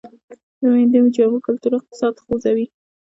د نویو جامو کلتور اقتصاد خوځوي